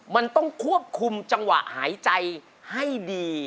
มันต้องควบคุมจังหวะหายใจให้ดี